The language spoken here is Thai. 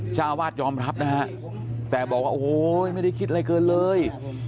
เจ้าอาวาสยอมรับนะฮะแต่บอกว่าโอ้โหไม่ได้คิดอะไรเกินเลย